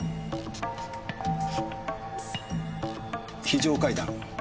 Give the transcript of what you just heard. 非常階段。